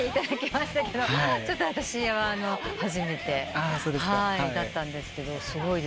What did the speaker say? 私は初めてだったんですけどすごいですね。